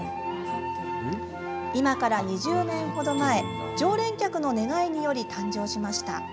今から２０年ほど前常連客の願いにより誕生しました。